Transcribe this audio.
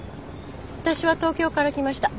私は東京から来ました。